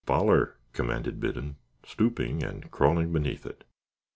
"Foller," commanded Biddon, stooping and crawling beneath it.